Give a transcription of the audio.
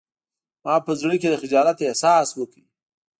ما په زړه کې د خجالت احساس وکړ